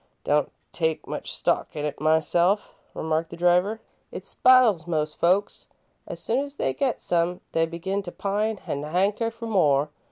"Don't take much stock in it myself," remarked the driver. "It spiles most folks. As soon as they get some, they begin to pine an' hanker for more.